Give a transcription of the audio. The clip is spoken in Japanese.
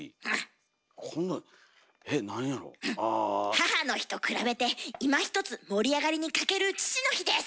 母の日と比べていまひとつ盛り上がりに欠ける父の日です！